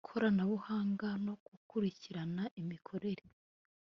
koranabuhanga no gukurikirana imikorere